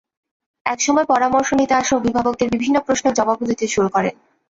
একসময় পরামর্শ নিতে আসা অভিভাবকদের বিভিন্ন প্রশ্নের জবাবও দিতে শুরু করেন।